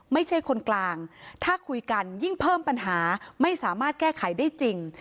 ไม่ใช่คนกลางถ้าคุยกันยิ่งเพิ่มปัญหาไม่สามารถแก้ไขได้จริง